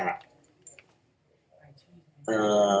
อ่า